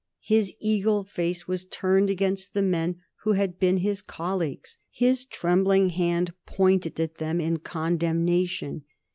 His eagle face was turned against the men who had been his colleagues. His trembling hand pointed at them in condemnation.